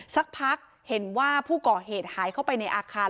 สักพักเห็นว่าผู้ก่อเหตุหายเข้าไปในอาคาร